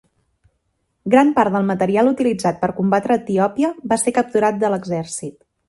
Gran part del material utilitzat per combatre Etiòpia va ser capturat de l'exèrcit.